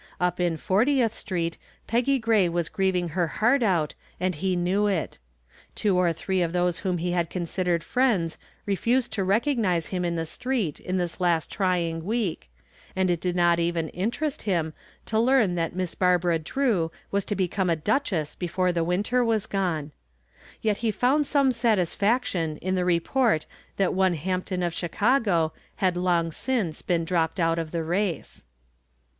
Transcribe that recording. Up in Fortieth Street Peggy Gray was grieving her heart out and he knew it. Two or three of those whom he had considered friends refused to recognize him in the street in this last trying week, and it did not even interest him to learn that Miss Barbara Drew was to become a duchess before the winter was gone. Yet he found some satisfaction in the report that one Hampton of Chicago had long since been dropped out of the race.